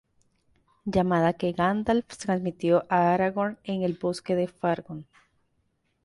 Llamada que Gandalf transmitió a Aragorn en el Bosque de Fangorn.